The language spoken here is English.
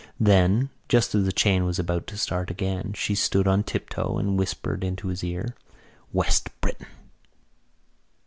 Then, just as the chain was about to start again, she stood on tiptoe and whispered into his ear: "West Briton!"